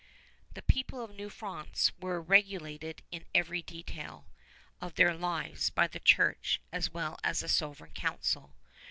The people of New France were regulated in every detail of their lives by the Church as well as the Sovereign Council.